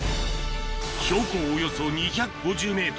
標高およそ２５０ｍ